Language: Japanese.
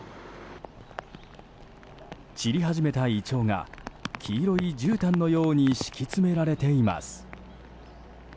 散り始めたイチョウが黄色いじゅうたんのように敷き詰められています。